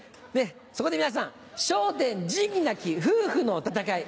そこで皆さん「笑点仁義なき夫婦の戦い」。